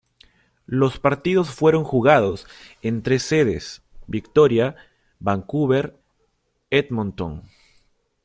Los partidos fueron jugados en tres sedes; Victoria, Vancouver, Edmonton.